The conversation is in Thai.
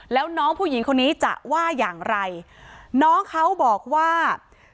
แล้วน้องผู้หญิงคนนี้จะว่าอย่างไรน้องเขาบอกว่า